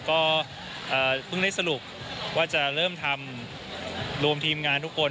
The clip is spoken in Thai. ก็เพิ่งได้สรุปว่าจะเริ่มทำรวมทีมงานทุกคน